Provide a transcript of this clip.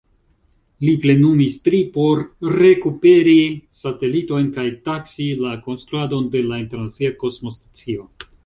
Li plenumis tri por rekuperi satelitojn kaj taksi la konstruadon de la Internacia Kosmostacio.